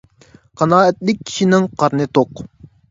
قانائەتلىك كىشىنىڭ قارنى توق.